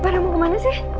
mbak mau kemana sih